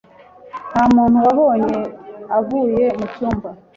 Ntamuntu wabonye avuye mucyumba.